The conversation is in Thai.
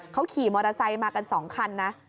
เขาขี่มอเตอร์ไซค์มากัน๒คันนะ